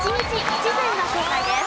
一善が正解です。